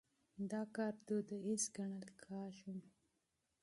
دا کار دوديز ګڼل کېږي.